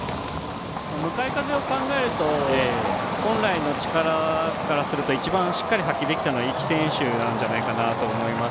向かい風を考えると本来の力からすると一番しっかり発揮できたのは壹岐選手なんじゃないかなと思います。